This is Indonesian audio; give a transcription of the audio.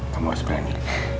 kamu harus berani